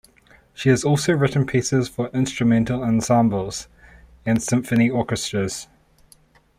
She has also written pieces for instrumental ensembles and symphony orchestras.